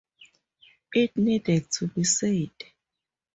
It needed to be said.